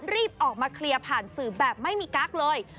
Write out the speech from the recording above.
รีบออกมาเคลียร์ผ่านสื่อแบบไม่มีกั๊กเลย